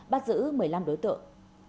bắt giữ một mươi năm đối tượng